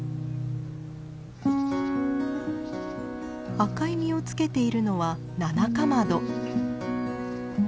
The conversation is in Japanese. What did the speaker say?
赤い実をつけているのはナナカマド。